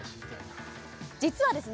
実はですね